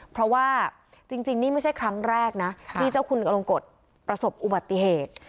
เพราะว่าจริงนี่ไม่ใช่ครั้งแรกนะที่เจ้าคุณอลงกฎประสบอุบัติเหตุ